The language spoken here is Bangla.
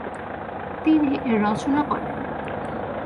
তিনি এর রচনা করেন।